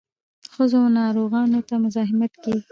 ښځو او ناروغانو ته مزاحمت کیږي.